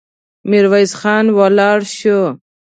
ميرويس خان ولاړ شو.